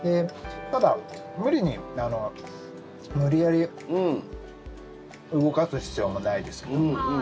ただ無理に、無理やり動かす必要もないですけども。